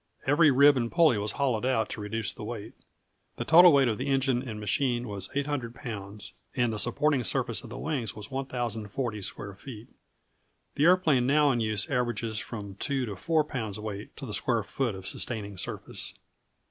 Every rib and pulley was hollowed out to reduce the weight. The total weight of the engine and machine was 800 lbs., and the supporting surface of the wings was 1,040 square feet. The aeroplanes now in use average from 2 to 4 lbs. weight to the square foot of sustaining surface.